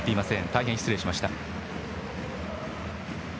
大変失礼しました。